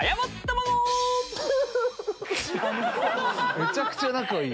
めちゃくちゃ仲いい。